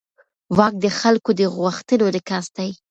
واک د خلکو د غوښتنو انعکاس دی.